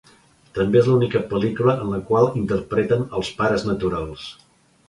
També és l'única pel·lícula en la qual interpreten els pares naturals.